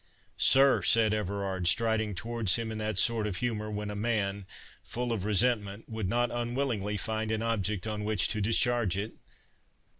"Sir!" said Everard, striding towards him in that sort of humour, when a man, full of resentment, would not unwillingly find an object on which to discharge it.